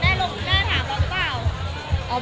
แต่ก่อนแม่ลงหน้าถามแล้วหรือเปล่า